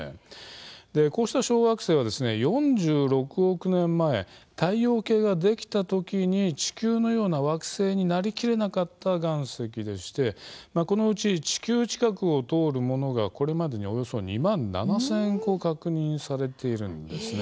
こうした小惑星は、４６億年前太陽系ができたときに地球のような惑星になりきれなかった岩石でしてこのうち地球近くを通るものがこれまでにおよそ２万７０００個確認されています。